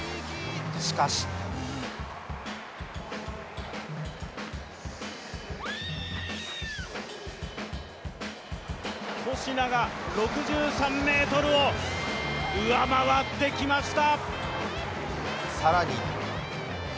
しかしコシナが６３ｍを上回ってきました。